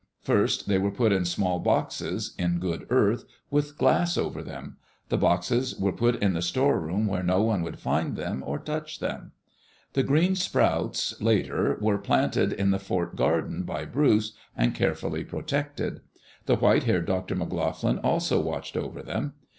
First they were put in small boxes, in good earth, with glass over them. The boxes were put in the store room where no one would find them or touch them. The green sprouts, later, were planted in the fort garden by Bruce and carefully protected. The white haired Dr. McLoughlin also watched over them.